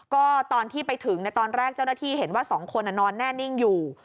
ก็ตอนที่ไปถึงตอนแรกเจ้าหน้าที่เห็นว่า๒คนนอนแน่นิ่งอยู่